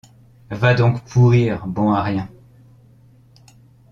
Va donc pourrir, bon à rien!